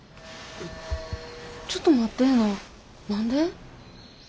ちょっと待ってぇな何で？